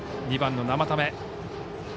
２番の生田目。